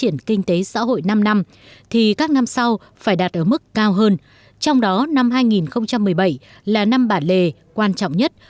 năm sau phải đạt ở mức cao hơn trong đó năm hai nghìn một mươi bảy là năm bản lề quan trọng nhất